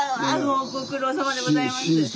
ご苦労さまでございます。